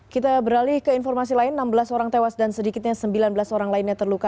kita beralih ke informasi lain enam belas orang tewas dan sedikitnya sembilan belas orang lainnya terluka